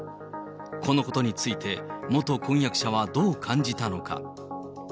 このことについて、元婚約者はどう感じたのか。